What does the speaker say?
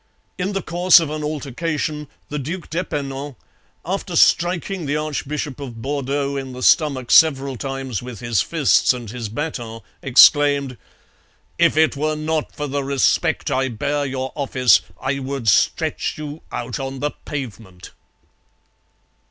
In the course of an altercation the Duc d'Epernon, after striking the Archbishop of Bordeaux in the stomach several times with his fists and his baton, exclaimed: 'If it were not for the respect I bear your office, I would stretch you out on the pavement!'